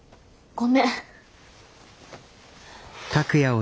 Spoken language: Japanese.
ごめん！